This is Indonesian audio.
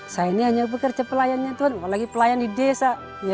saya ini hanya bekerja pelayanan tuhan apalagi pelayanan di desa